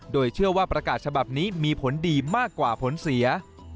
โดยเชื่อว่าประกาศฉบับนี้มีผลดีมากกว่าผลเสีย